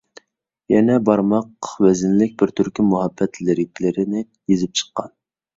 يەنە بارماق ۋەزىنلىك بىر تۈركۈم مۇھەببەت لىرىكىلىرىنى يېزىپ چىققان.